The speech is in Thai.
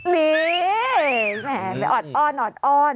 นี่แมนไปออดอ้อน